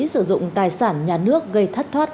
sử dụng tài sản nhà nước gây thất thoát